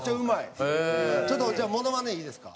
ちょっとモノマネいいですか？